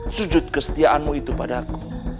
sujud kestiaanmu itu pada aku